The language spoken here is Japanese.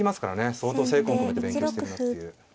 相当精魂込めて勉強してるなっていう。